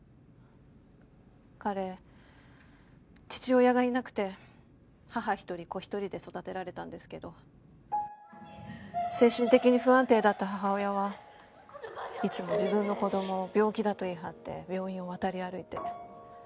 彼父親がいなくて母一人子一人で育てられたんですけど精神的に不安定だった母親はいつも自分の子供を病気だと言い張って病院を渡り歩いて。